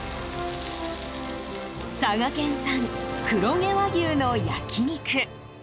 佐賀県産黒毛和牛の焼き肉。